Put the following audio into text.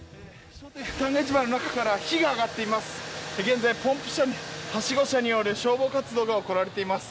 旦過市場の中から火が上がっています。